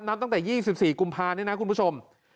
นับตั้งแต่๒๔กุมภานี่นะคุณผู้ชม